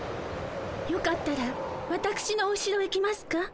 よかったらわたくしのおしろへ来ますか？